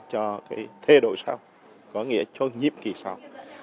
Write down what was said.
cho cái thay đổi sau có nghĩa cho nhiệm kỳ sau